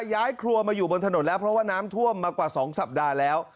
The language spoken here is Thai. ย้ายครัวมาอยู่บนถนนแล้วเพราะว่าน้ำท่วมมากว่า๒สัปดาห์แล้ว